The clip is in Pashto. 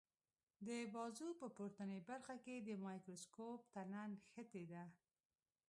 د بازو په پورتنۍ برخه کې د مایکروسکوپ تنه نښتې ده.